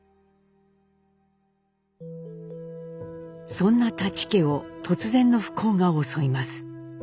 そんな舘家を突然の不幸が襲います。